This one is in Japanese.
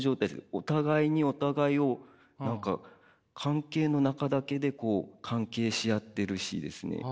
お互いにお互いを何か関係の中だけで関係し合ってるしですね